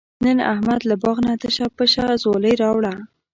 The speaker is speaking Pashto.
نن احمد له باغ نه تشه پشه ځولۍ راوړله.